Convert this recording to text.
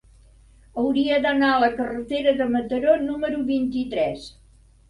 Hauria d'anar a la carretera de Mataró número vint-i-tres.